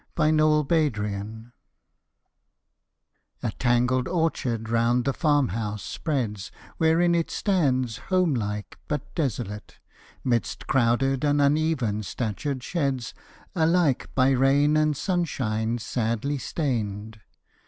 THE SILENT TIDE A tangled orchard round the farm house spreads, Wherein it stands home like, but desolate, 'Midst crowded and uneven statured sheds, Alike by rain and sunshine sadly stained.